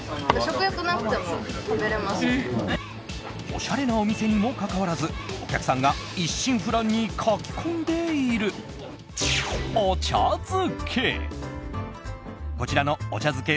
おしゃれなお店にもかかわらずお客さんが一心不乱にかき込んでいる、お茶漬け。